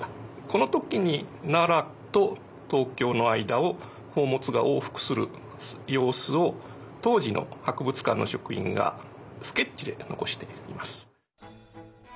この時に奈良と東京の間を宝物が往復する様子を当時の博物館の職員がスケッチで残しています。